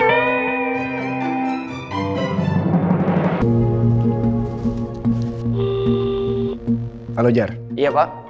halo jar iya pak